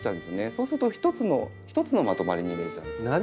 そうすると一つのまとまりに見えちゃうんですね。